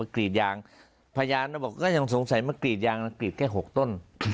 กรีดยางพยานบอกก็ยังสงสัยมากรีดยางนะกรีดแค่๖ต้น